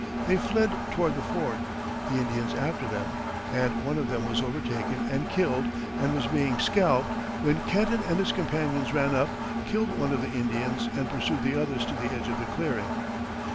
They fled toward the fort, the Indians after them, and one of them was overtaken and killed and was being scalped, when Kenton and his companions ran up, killed one of the Indians and pursued the others to the edge of the clearing.